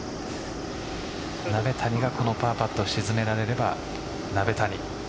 鍋谷がこのパーパットを沈められれば鍋谷。